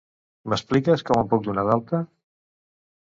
M'expliques com em puc donar d'alta?